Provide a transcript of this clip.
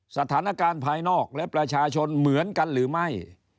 สถานการณ์ภายนอกและประชาชนเหมือนกันหรือไม่